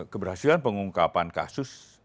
keberhasilan pengungkapan kasus